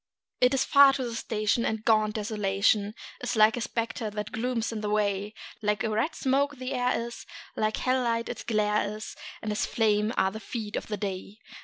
It is far to the station, and gaunt Desolation Is a spectre that glooms in the way; Like a red smoke the air is, like a hell light its glare is, And as flame are the feet of the day.